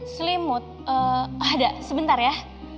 selimut ada sebentar ya